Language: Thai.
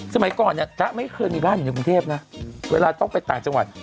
สมัยก่อนเนี่ยจ๊ะไม่เคยมีบ้านอยู่ในกรุงเทพนะเวลาต้องไปต่างจังหวัด